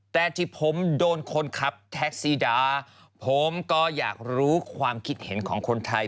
แต่ที่ผมโดนคนขับแท็กซี่ดาผมก็อยากรู้ความคิดเห็นของคนไทย